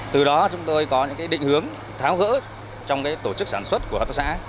từ đó chúng tôi có những định hướng tháo gỡ trong tổ chức sản xuất của hợp tác xã